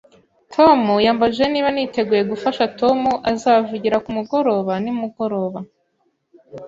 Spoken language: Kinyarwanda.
Tom yambajije niba niteguye gufasha Tom azavugira kumugoroba nimugoroba